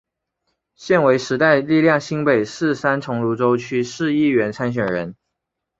现为时代力量新北市三重芦洲区市议员参选人。